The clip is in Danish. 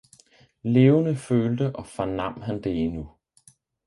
levende følte og fornam han det endnu.